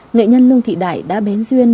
nghệ nhân lương thị đại đã bén duyên